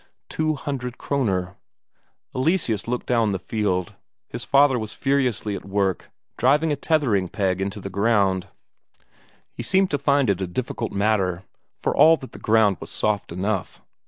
Two hundred Kroner. Eleseus looked down the field: his father was furiously at work driving a tethering peg into the ground; he seemed to find it a difficult matter, for all that the ground was soft enough.